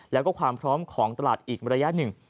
แล้วก็ความพร้อมของตลาดอีกระยะหนึ่ง